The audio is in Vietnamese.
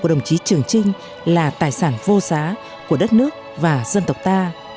đồng chí trường trinh là tài sản vô giá của đất nước và dân tộc ta